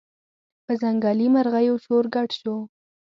په ځنګلي مرغیو شور ګډ شو